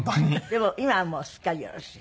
でも今はもうすっかりよろしい？